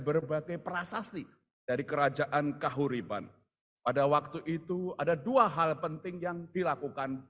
berbagai prasasti dari kerajaan kahuriban pada waktu itu ada dua hal penting yang dilakukan